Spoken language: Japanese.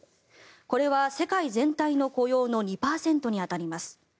これは世界全体の雇用の２％に当たります。